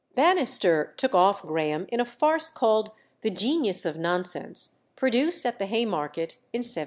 Bannister "took off" Graham in a farce called The Genius of Nonsense, produced at the Haymarket in 1780.